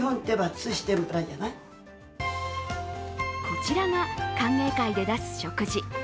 こちらが歓迎会で出す食事。